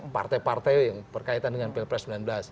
partai partai yang berkaitan dengan pilpres dua ribu sembilan belas